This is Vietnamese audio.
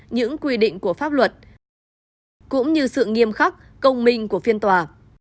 những quy định của pháp luật cũng như sự nghiêm khắc công minh của phiên tòa